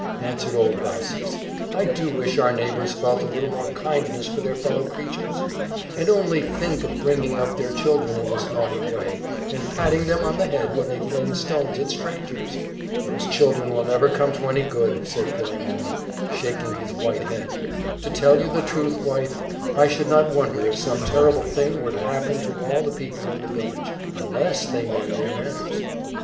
answered old Baucis, "I do wish our neighbours felt a little more kindness for their fellow creatures. And only think of bringing up their children in this naughty way, and patting them on the head when they fling stones at strangers!" "Those children will never come to any good," said Philemon, shaking his white head. "To tell you the truth, wife, I should not wonder if some terrible thing were to happen to all the people in the village, unless they mend their manners.